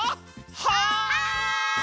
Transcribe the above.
はい！